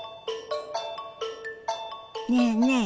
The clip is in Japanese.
ねえねえ